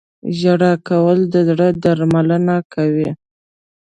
• ژړا کول د زړه درملنه کوي.